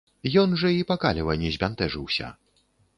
Ён жа і па каліва не збянтэжыўся.